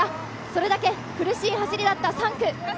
それだけ苦しい走りだった３区。